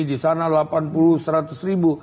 di sana delapan puluh seratus ribu